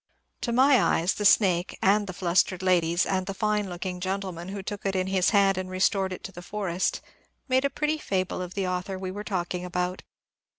To my eyes the snake, and the flustered ladies, and the fine looking gentleman who took it in his hand and restored it to the forest, made a pretty fable of the author we were talking about.